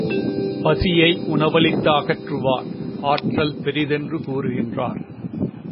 பசியை உணவளித்து அகற்றுவார் ஆற்றல் பெரிதென்று கூறுகின்றார்.